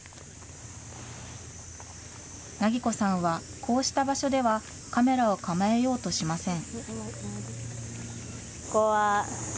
梛子さんは、こうした場所ではカメラを構えようとしません。